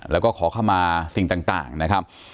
แล้วก็ขอเข้ามาสิ่งต่างนะครับ